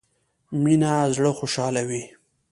مينه زړه خوشحالوي